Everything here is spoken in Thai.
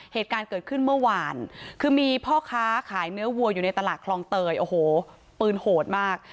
เหตุการณ์เกิดขึ้นเมื่อวานคือมีพ่อค้าขายเนื้อวัวอยู่ในตลาดคลองเตยโอ้โหปืนโหดมาก